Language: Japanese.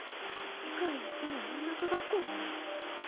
世界一の音楽学校に。